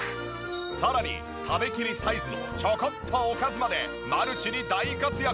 さらに食べきりサイズのちょこっとおかずまでマルチに大活躍！